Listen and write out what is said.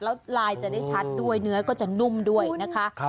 แล้วลายจะได้ชัดด้วยเนื้อก็จะนุ่มด้วยนะคะ